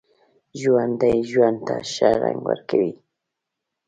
ژوندي ژوند ته ښه رنګ ورکوي